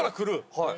はい。